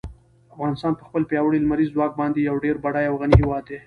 افغانستان په خپل پیاوړي لمریز ځواک باندې یو ډېر بډای او غني هېواد دی.